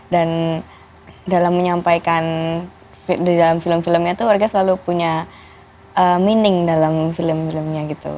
dan dalam menyampaikan di dalam film filmnya itu regas selalu punya meaning dalam film filmnya gitu